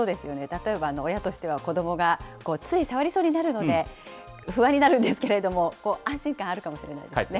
例えば親としては子どもがつい触りそうになるので、不安になるんですけれども、安心感あるかもしれないですね。